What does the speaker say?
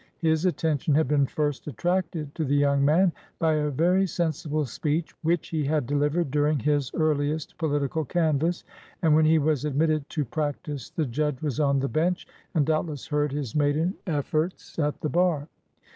His attention had been first attracted to the young man by a "very sensible speech" which he had delivered during his earliest political canvass, and when he was admitted to practice the judge was on the bench and doubtless heard his maiden efforts at the bar.